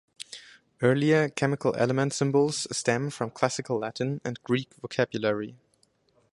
Earlier chemical element symbols stem from classical Latin and Greek vocabulary.